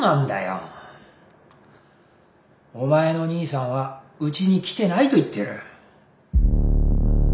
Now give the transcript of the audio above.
お前の兄さんはうちに来てないと言ってる。